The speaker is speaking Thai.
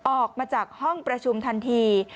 ออกมาจากห้องประชุมทันที